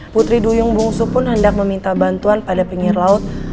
putri duyung bungsu pun hendak meminta bantuan pada pinggir laut